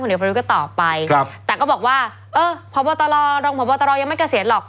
คนเดียวไปรู้ก็ตอบไปแต่ก็บอกว่าพบตลยังไม่เกษียณหรอก